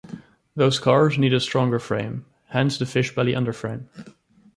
Those cars need a stronger frame, hence the fishbelly underframe.